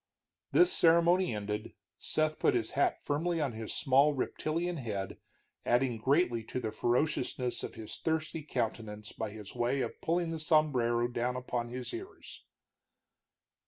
This ceremony ended, Seth put his hat firmly on his small, reptilian head, adding greatly to the ferociousness of his thirsty countenance by his way of pulling the sombrero down upon his ears.